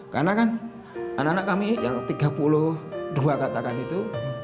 karena kan anak anak kami yang tiga puluh dua katakan itu